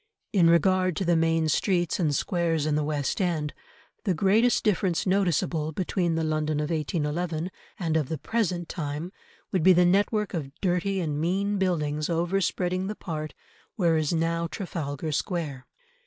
In regard to the main streets and squares in the West End, the greatest difference noticeable between the London of 1811 and of the present time would be the network of dirty and mean buildings over spreading the part where is now Trafalgar Square.